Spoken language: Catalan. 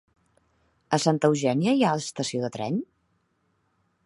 A Santa Eugènia hi ha estació de tren?